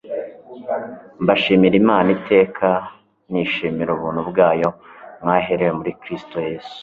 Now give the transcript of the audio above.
"Mbashimira Imana iteka, nishimira ubuntu bwayo mwaherewe muri Kristo Yesu.